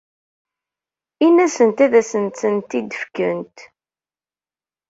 Ini-asent ad asent-tent-id-fkent.